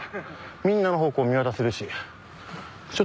みんなの方向見渡せるし。